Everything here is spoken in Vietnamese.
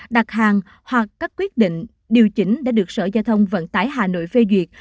đặt hàng hoặc các quyết định điều chỉnh đã được sở giao thông vận tải hà nội phê duyệt